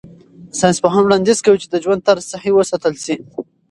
ساینسپوهان وړاندیز کوي چې ژوند طرز صحي وساتل شي.